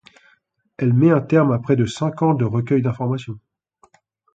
Elle met un terme à près de cinq ans de recueil d'informations.